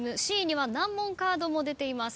Ｃには難問カードも出ています。